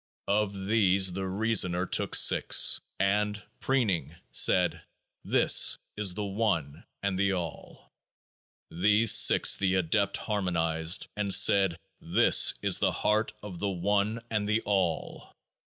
Of these the reasoner took six, and, preening, said : This is the One and the All. These six the Adept harmonised, and said : This is the Heart of the One and the All.